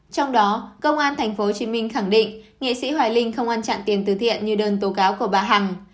trong đó công an tp hcm khẳng định nghệ sĩ hoài linh không ăn chặn tiền từ thiện như đơn tố cáo của bà hằng